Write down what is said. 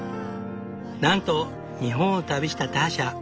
なんと日本を旅したターシャ。